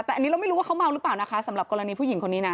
แต่อันนี้เราไม่รู้ว่าเขาเมาหรือเปล่านะคะสำหรับกรณีผู้หญิงคนนี้นะ